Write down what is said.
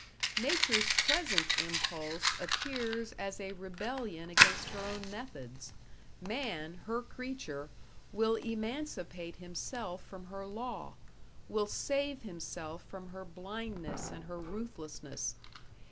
Nature's present impulse appears as a rebellion against her own methods; man, her creature, will emancipate himself from her law, will save himself from her blindness and her ruthlessness.